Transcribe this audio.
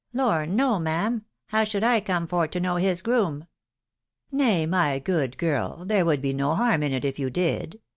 " Lor ! no, ma'am ; how should I come for to know his groom ?"" Nay, my good girl, there would be no harm in it if yon did.